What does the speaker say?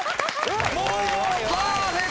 もうパーフェクト目前！